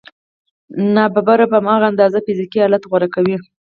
ناببره په هماغه اندازه فزيکي حالت غوره کوي.